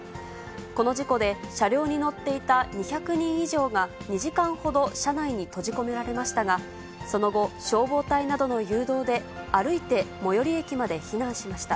この事故で車両に乗っていた２００人以上が、２時間ほど車内に閉じ込められましたが、その後、消防隊などの誘導で、歩いて最寄り駅まで避難しました。